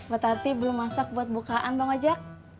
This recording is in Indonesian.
bapak tati belum masak buat bukaan bang ojak